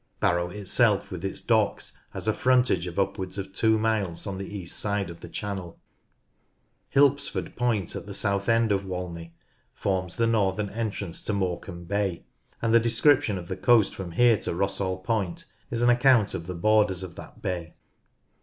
Barrow itself with its docks has a frontage of upwards of two miles on the east side of the channel. Hilpsford Point at the south end of Walney forms the northern entrance to Morecambe Bay, and the description 42 NORTH LANCASHIRE of the coast from here to Rossall Point is an account of the borders of that bay.